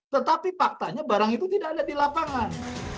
tetapi faktanya barang itu tidak ada di lapangan